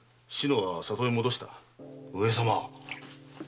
上様！